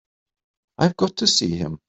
I've got to see him.